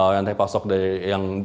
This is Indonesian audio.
rantai pasok dari asean